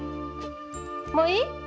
もういい？